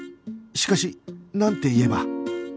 しかしなんて言えば？